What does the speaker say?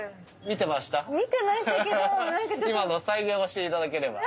見てましたけど。